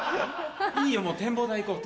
いいよもう展望台行こう。